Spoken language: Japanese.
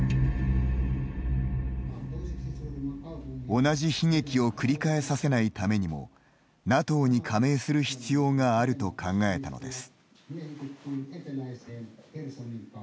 同じ悲劇を繰り返させないためにもＮＡＴＯに加盟する必要があると考えたのです。